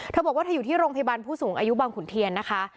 เธอบอกว่าเธออยู่ที่โรงพยาบาลผู้สูงอายุบางขุนเทียนนะคะ